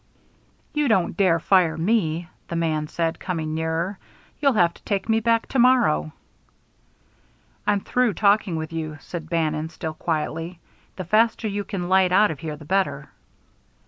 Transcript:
"You don't dare fire me," the man said, coming nearer. "You'll have to take me back to morrow." "I'm through talking with you," said Bannon, still quietly. "The faster you can light out of here the better."